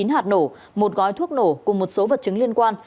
ba mươi chín hạt nổ một gói thuốc nổ cùng một số vật chứng liên quan